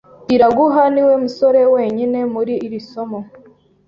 Iraguha niwe musore wenyine muri iri somo.